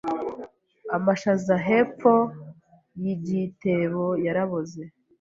Amashaza hepfo yigitebo yaraboze.